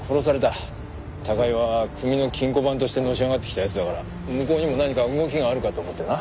高岩は組の金庫番としてのし上がってきた奴だから向こうにも何か動きがあるかと思ってな。